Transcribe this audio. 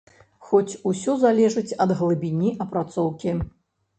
Хоць усё залежыць ад глыбіні апрацоўкі.